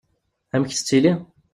Amek tettili?